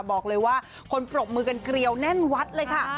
บอกเลยว่าคนปรบมือกันเกลียวแน่นวัดเลยค่ะ